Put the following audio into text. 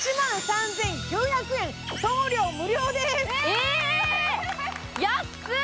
え、安い！